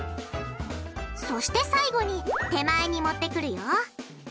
そして最後に手前に持ってくるよ。